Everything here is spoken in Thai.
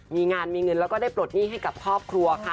มีงานมีเงินแล้วก็ได้ปลดหนี้ให้กับครอบครัวค่ะ